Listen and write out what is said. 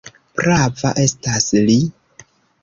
Prava estas Li!